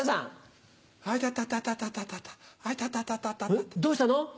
えっどうしたの？